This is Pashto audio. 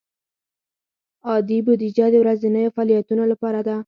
عادي بودیجه د ورځنیو فعالیتونو لپاره ده.